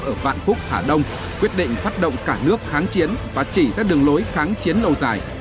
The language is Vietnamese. ở vạn phúc hà đông quyết định phát động cả nước kháng chiến và chỉ ra đường lối kháng chiến lâu dài